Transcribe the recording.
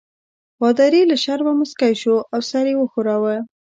پادري له شرمه مسکی شو او سر یې وښوراوه.